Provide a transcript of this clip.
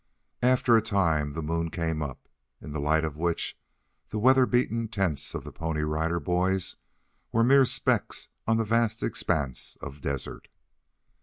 After a time the moon came up, in the light of which the weather beaten tents of the Pony Rider Boys were mere specks on the vast expanse of desert.